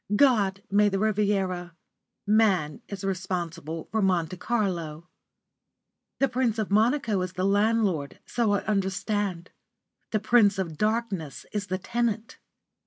God made the Riviera; man is responsible for Monte Carlo. The Prince of Monaco is the landlord, so I understand; the Prince of Darkness is the tenant.